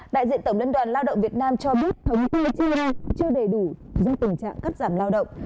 đại diện tổng liên đoàn lao động việt nam cho biết thống kê chưa hay chưa đầy đủ do tình trạng cắt giảm lao động